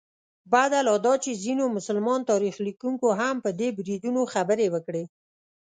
بده لا دا چې ځینو مسلمان تاریخ لیکونکو هم په دې بریدونو خبرې وکړې.